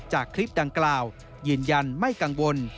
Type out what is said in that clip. จากคลิปดังกล่าวยืนยันไม่กังวล